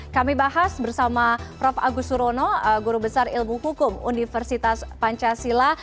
kami bahas bersama prof agus surono guru besar ilmu hukum universitas pancasila